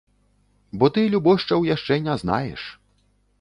Бо ты любошчаў яшчэ не знаеш.